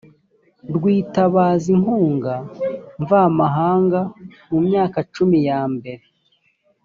rwitabaza inkunga mvamahanga mu myaka cumi yambere